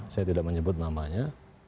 saya tidak menyebut namanya